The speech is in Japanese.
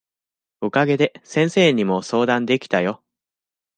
お陰で先生にも相談できたよ。